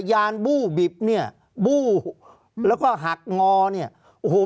ภารกิจสรรค์ภารกิจสรรค์